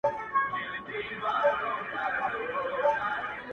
گرانه اخنده ستا خـبري خو، خوږې نـغمـې دي~